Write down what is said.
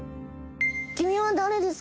「君は誰ですか？」